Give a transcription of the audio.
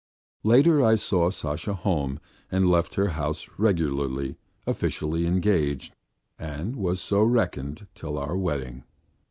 Later I saw Sasha home and left her house regularly, officially engaged, and was so reckoned till our wedding.